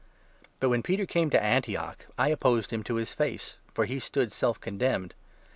But, when Peter came to Antioch, I n to Peter, opposed him to his face ; for he stood self con demned.